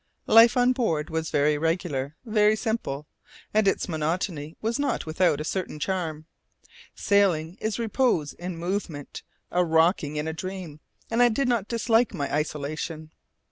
Life on board was very regular, very simple, and its monotony was not without a certain charm. Sailing is repose in movement, a rocking in a dream, and I did not dislike my isolation.